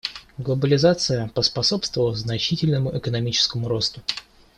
Глобализация поспособствовала значительному экономическому росту.